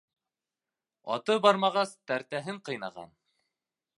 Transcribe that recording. Аты бармағас, тәртәһен ҡыйнаған.